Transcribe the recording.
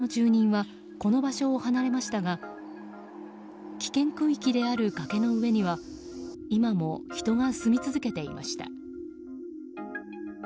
他の住人はこの場所を離れましたが危険区域である崖の上には今も人が住み続けていました。